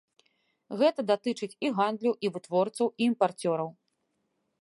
Гэта датычыць і гандлю, і вытворцаў, і імпарцёраў.